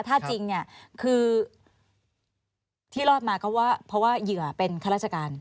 ถ้าจริงคือที่รอดมาเขาว่าเพราะว่าเหยื่อเป็นคัตรราชการ